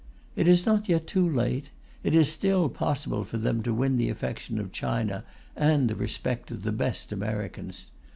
It is not yet too late; it is still possible for them to win the affection of China and the respect of the best Americans.